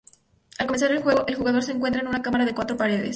Al comenzar el juego, el jugador se encuentra en una cámara de cuatro paredes.